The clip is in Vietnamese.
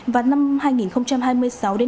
và năm hai nghìn hai mươi sáu đến